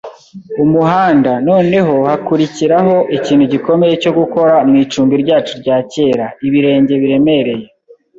umuhanda. Noneho hakurikiraho ikintu gikomeye cyo gukora mu icumbi ryacu rya kera, ibirenge biremereye